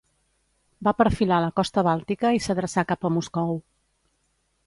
Va perfilar la costa bàltica i s'adreçà cap a Moscou.